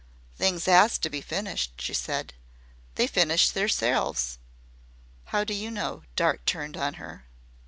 "Things 'AS to be finished," she said. "They finish theirselves." "How do you know?" Dart turned on her.